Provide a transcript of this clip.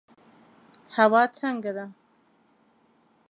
هوا څنګه ده؟